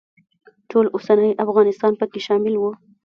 ټول اوسنی افغانستان پکې شامل و.